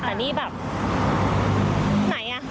แต่นี่แบบไหนอ่ะ